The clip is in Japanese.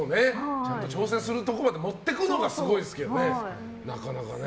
挑戦するところまで持っていくのがすごいですけどねなかなかね。